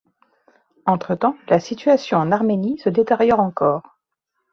Entre-temps, la situation en Arménie se détériore encore.